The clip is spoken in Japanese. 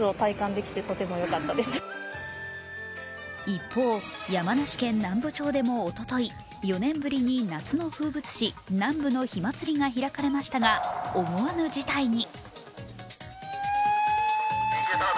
一方、山梨県南部町でもおととい、４年ぶりに夏の風物詩、南部の火祭りが開かれましたが思わぬ事態に。